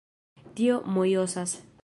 Tio mojosas...